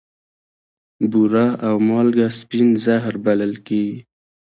بوره او مالګه سپین زهر بلل کیږي.